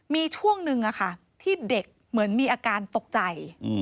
มีช่วงหนึ่งที่เด็กเหมือนมีอาการตกใจ